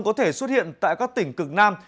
có thể xuất hiện tại các tỉnh cực nam